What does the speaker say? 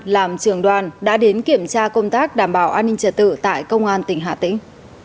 làm trường đoàn đã đến kiểm tra công tác đảm bảo an ninh trật tự tại công an tỉnh hà tĩnh